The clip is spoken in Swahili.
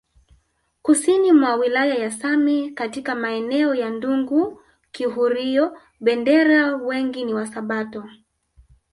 Kusini mwa wilaya ya Same katika maeneo ya Ndungu Kihurio Bendera wengi ni wasabato